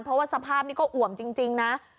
เพราะว่าสภาพนี้ก็อ่วมจริงนะ